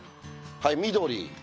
はい緑。